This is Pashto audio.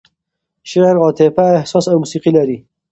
شعر عاطفه، احساس او موسیقي لري.